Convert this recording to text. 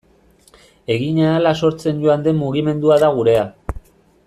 Egin ahala sortzen joan den mugimendua da gurea.